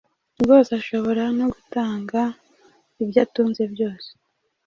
rwose ashobora no gutanga ibyo atunze byose